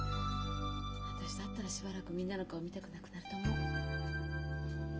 私だったらしばらくみんなの顔見たくなくなると思う。